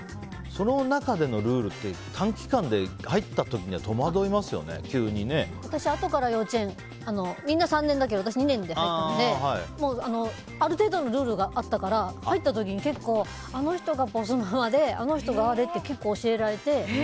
その中でのルールって短期間で入った時には戸惑いますよね、急にね。私、あとから幼稚園みんな３年だけど私２年で入ったのである程度のルールがあったから入った時に結構、あの人がボスママであの人があれって結構教えられて。